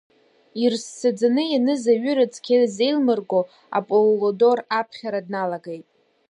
Ирссаӡаны ианыз аҩыра цқьа изеилмырго, Апполодор аԥхьара дналагеит…